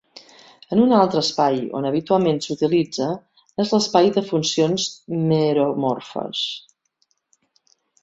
En un altre espai on habitualment s'utilitza és l'espai de funcions meromorfes.